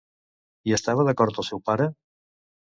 Hi estava d'acord el seu pare?